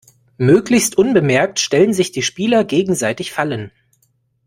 Möglichst unbemerkt stellen sich die Spieler gegenseitig Fallen.